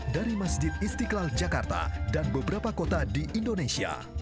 dari masjid istiqlal jakarta dan beberapa kota di indonesia